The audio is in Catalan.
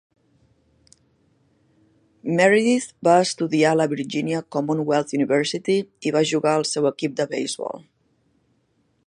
Meredith va estudiar a la Virginia Commonwealth University i va jugar al seu equip de beisbol.